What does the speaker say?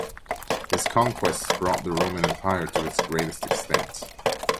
His conquests brought the Roman Empire to its greatest extent.